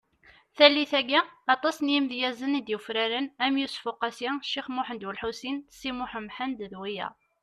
Tallit-agi, aṭas n yimedyazen i d-yufraren am Yusef Uqasi , Cix Muhend Ulḥusin Si Muḥend Umḥend d wiyaḍ .